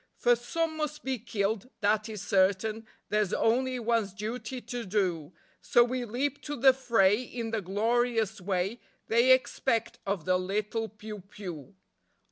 For some must be killed, that is certain; There's only one's duty to do; So we leap to the fray in the glorious way They expect of the little piou piou.